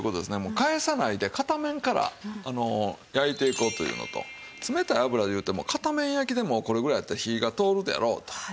返さないで片面から焼いていこうというのと冷たい油いうても片面焼きでもうこれぐらいやったら火が通るであろうと。